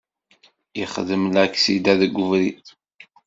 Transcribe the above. Yexdem laksida deg ubrid.